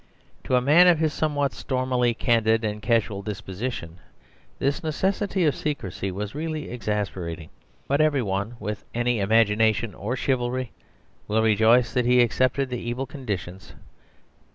To a man of his somewhat stormily candid and casual disposition this necessity of secrecy was really exasperating; but every one with any imagination or chivalry will rejoice that he accepted the evil conditions.